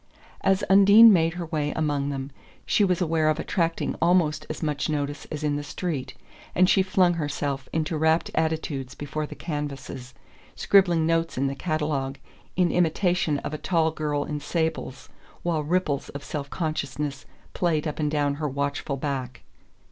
As Undine made her way among them, she was aware of attracting almost as much notice as in the street, and she flung herself into rapt attitudes before the canvases, scribbling notes in the catalogue in imitation of a tall girl in sables, while ripples of self consciousness played up and down her watchful back.